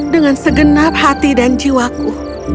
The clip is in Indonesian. dengan segenap hati dan jiwaku